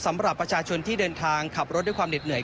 สำหรับประชาชนที่เดินทางขับรถด้วยความเหน็ดเหนื่อย